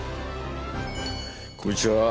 こんにちは！